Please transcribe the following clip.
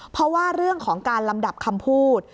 เพราะว่าเรื่องของการลำดับคำพูด